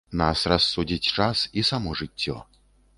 Нас рассудзіць час і само жыццё.